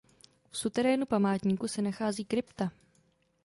V suterénu památníku se nachází krypta.